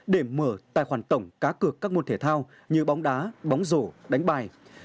để mở tài khoản tổng cá cược các môn thể thao như bóng đá bóng rổ đánh bài